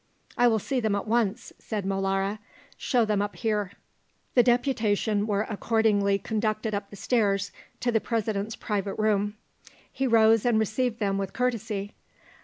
"I will see them at once," said Molara; "show them up here." The deputation were accordingly conducted up the stairs to the President's private room. He rose and received them with courtesy.